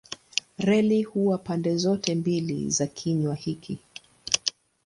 Reli huwa pande zote mbili za kinywa hiki.